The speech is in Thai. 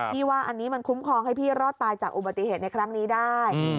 ว่าอันนี้มันคุ้มครองให้พี่รอดตายจากอุบัติเหตุในครั้งนี้ได้